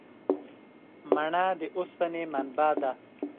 مڼه د اوسپنې منبع ده.